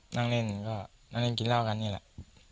นั่งเล่นกินเหล้ากันเนี่ยแหละ